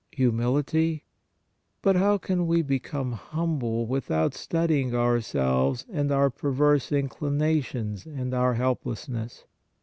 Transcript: Humility? But how can we be come humble without studying ourselves and our perverse inclinations and our helplessness?